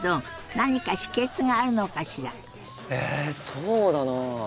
そうだな。